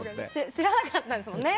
知らなかったんですもんね。